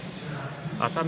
熱海